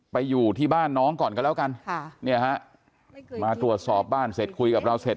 ไปอยู่ที่บ้านน้องก่อนกันแล้วกันมาตรวจสอบบ้านเสร็จคุยกับเราเสร็จ